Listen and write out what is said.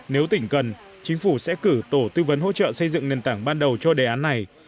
nếu tỉnh cần chính phủ sẽ cử tổ tư vấn hỗ trợ xây dựng nền tảng ban đầu cho đề án này